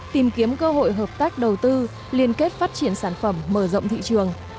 tìm kiếm cơ hội hợp tác đầu tư liên kết phát triển sản phẩm mở rộng thị trường